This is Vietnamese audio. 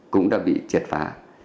cũng đã bị chệt phá